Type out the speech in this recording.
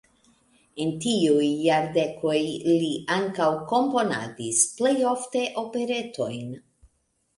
En tiuj jardekoj li ankaŭ komponadis, plej ofte operetojn.